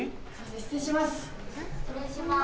失礼します。